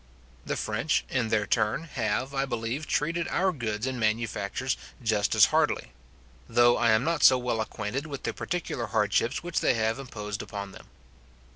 The French, in their turn, have, I believe, treated our goods and manufactures just as hardly; though I am not so well acquainted with the particular hardships which they have imposed upon them.